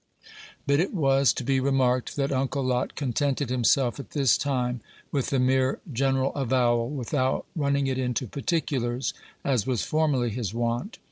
But it was to be remarked that Uncle Lot contented himself at this time with the mere general avowal, without running it into particulars, as was formerly his wont.